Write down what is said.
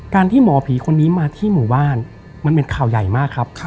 ที่หมอผีคนนี้มาที่หมู่บ้านมันเป็นข่าวใหญ่มากครับ